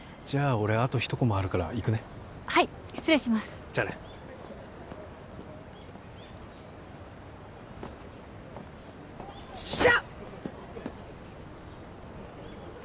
俺あと１コマあるから行くねはい失礼しますじゃあねおっしゃ！